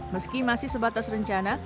meski masih sebatas rencana